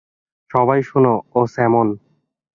সবাই শোনো, ও স্যামন।